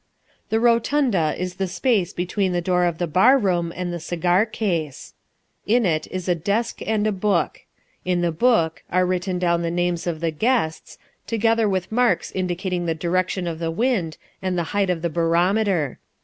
The Rotunda is the space between the door of the bar room and the cigar case. In it is a desk and a book. In the book are written down the names of the guests, together with marks indicating the direction of the wind and the height of the barometer.